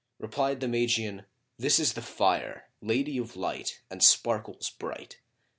Replied the Magian, "This is the Fire, lady of light and sparkles bright!